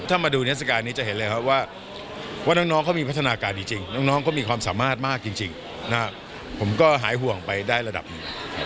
ถ้ามาดูเทศกาลนี้จะเห็นเลยครับว่าน้องเขามีพัฒนาการจริงน้องก็มีความสามารถมากจริงผมก็หายห่วงไปได้ระดับหนึ่ง